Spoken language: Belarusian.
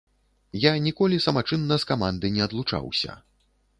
Я ніколі самачынна з каманды не адлучаўся.